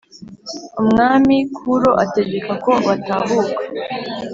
Umwami Kuro ategeka ko batahuka